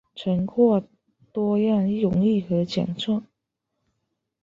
曾获多样荣誉和奖项。